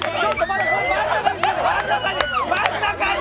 真ん中に。